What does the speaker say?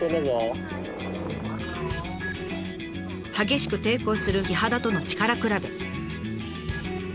激しく抵抗するキハダとの力比べ。